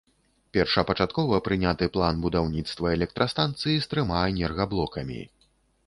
Першапачаткова прыняты план будаўніцтва электрастанцыі з трыма энергаблокамі.